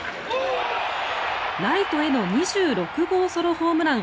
ライトへの２６号ソロホームラン。